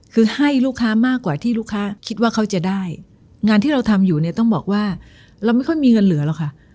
คือให้ลูกค้ามากกว่าที่ลูกค้าคิดว่าเขาจะได้งานที่เราทำอยู่เนี่ยต้องบอกว่าเราไม่ค่อยมีเงินเหลือหรอกค่ะ